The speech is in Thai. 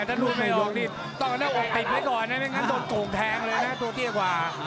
ถ้าลูดไม่ออกดิติดไปก่อนไม่งั้นต้นโข่งแทงเลยนะตัวเก้วา